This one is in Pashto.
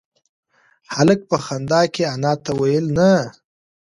هلک په خندا کې انا ته وویل نه.